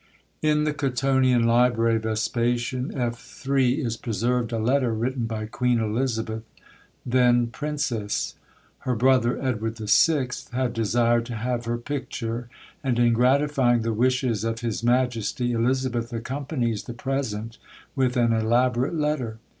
In the Cottonian Library, Vespasian, F. III. is preserved a letter written by Queen Elizabeth, then Princess. Her brother, Edward the Sixth, had desired to have her picture; and in gratifying the wishes of his majesty, Elizabeth accompanies the present with an elaborate letter.